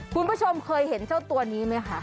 คุณผู้ชมเคยเห็นเจ้าตัวนี้ไหมคะ